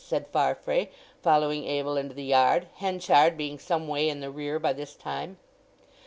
said Farfrae, following Abel into the yard, Henchard being some way in the rear by this time.